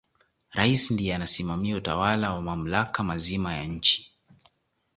rais ndiye anasimamia utawala na mamlaka mazima ya nchi